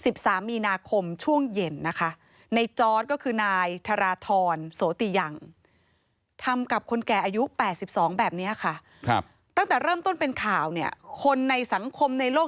แบบนี้ค่ะครับตั้งแต่เริ่มต้นเป็นข่าวเนี่ยคนในสังคมในโลก